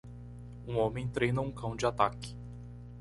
Um homem treina um cão de ataque.